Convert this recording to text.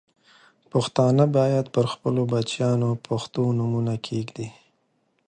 پښتانه باید پر خپلو بچیانو پښتو نومونه کښېږدي.